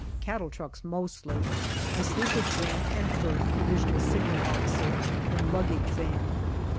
Cattle trucks mostly. I sleep with Grant and Firth, Divisional Signal Officer, in luggage van.